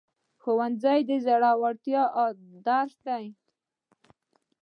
ښوونځی د زړورتیا درس دی